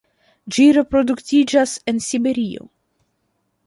Ĝi reproduktiĝas en Siberio.